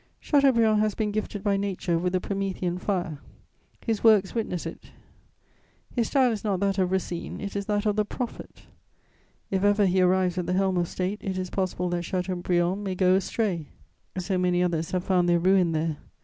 Chateaubriand has been gifted by nature with the Promethean fire: his works witness it. His style is not that of Racine, it is that of the prophet. If ever he arrives at the helm of State, it is possible that Chateaubriand may go astray: so many others have found their ruin there!